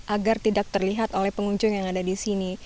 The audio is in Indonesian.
agar tidak terlihat oleh pengunjung yang ada di sini